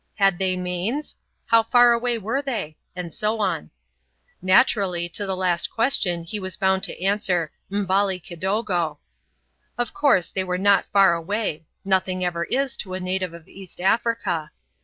had they manes? how far away were they? and so on. Naturally, to the last question he was bound to answer "M'bali kidogo." Of course they were not far away; nothing ever is to a native of East Africa.